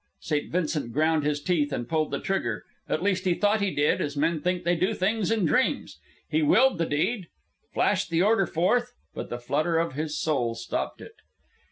St. Vincent ground his teeth and pulled the trigger at least he thought he did, as men think they do things in dreams. He willed the deed, flashed the order forth; but the flutter of his soul stopped it.